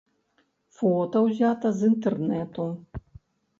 Фота ўзята з інтэрнэту.